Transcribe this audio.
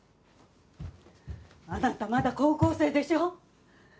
あなたまだ高校生でしょ？